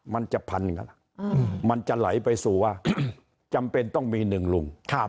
มันจะพันกันมันจะไหลไปสู่ว่าจำเป็นต้องมีหนึ่งลุง